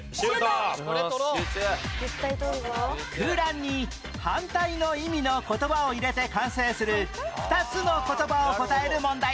空欄に反対の意味の言葉を入れて完成する２つの言葉を答える問題